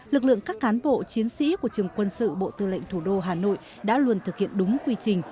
lực lượng các cán bộ chiến sĩ của trường quân sự bộ tư lệnh thủ đô hà nội đã luôn thực hiện đúng quy trình